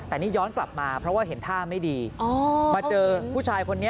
แต่นี่ย้อนกลับมาเพราะว่าเห็นท่าไม่ดีมาเจอผู้ชายคนนี้